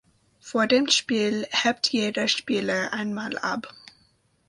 Vor dem Spiel hebt jeder Spieler einmal ab.